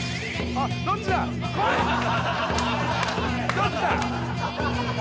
どっちだ？